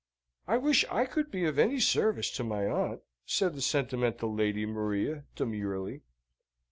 "I wish I could be of any service to my aunt!" said the sentimental Lady Maria, demurely.